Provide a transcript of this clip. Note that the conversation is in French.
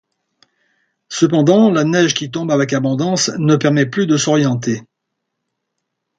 Cependant la neige qui tombe avec abondance ne permet plus de s'orienter.